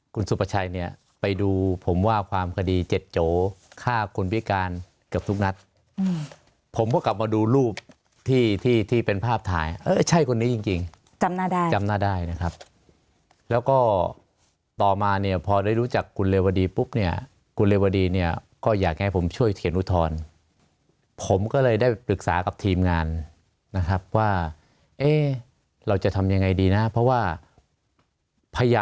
คุณสุประชัยเนี่ยไปดูผมว่าความคดีเจ็ดโจฆ่าคนพิการเกือบทุกนัดผมก็กลับมาดูรูปที่ที่ที่เป็นภาพถ่ายเออใช่คนนี้จริงจำหน้าได้จำหน้าได้นะครับแล้วก็ต่อมาเนี่ยพอได้รู้จักคุณเรวดีปุ๊บเนี่ยคุณเรวดีเนี่ยก็อยากให้ผมช่วยเขียนอุทธรณ์ผมก็เลยได้ปรึกษากับทีมงานนะครับว่าเอ๊ะเราจะทำยังไงดีนะเพราะว่าพ